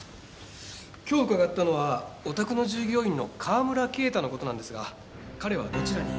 今日伺ったのはお宅の従業員の川村啓太の事なんですが彼はどちらに？